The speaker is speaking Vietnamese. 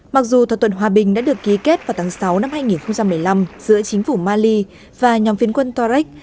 mặc dù thỏa thuận hòa bình đã được ký kết vào tháng sáu năm hai nghìn một mươi năm giữa chính phủ mali và nhóm phiến quân tarek